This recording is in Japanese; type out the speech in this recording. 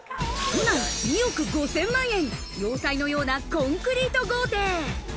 都内２億５０００万円、要塞のようなコンクリート豪邸。